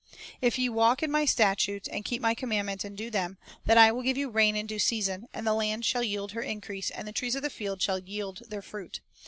5 "If ye walk in My statutes, and keep My command ments, and do them; then I will give you rain in due season, and the land shall yield her increase, and the trees of the field shall yield their fruit.